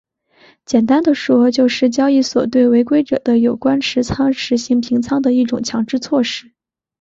简单地说就是交易所对违规者的有关持仓实行平仓的一种强制措施。